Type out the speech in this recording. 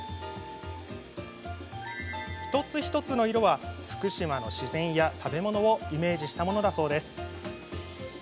一つ一つの色は福島の自然や食べ物をイメージしたものだそうです。